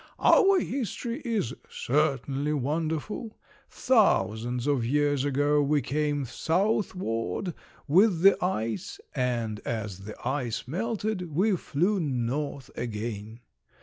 Our history is certainly wonderful! Thousands of years ago we came southward with the ice and as the ice melted we flew north again.